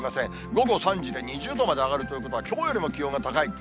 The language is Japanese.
午後３時で２０度まで上がるということは、きょうよりも気温が高い。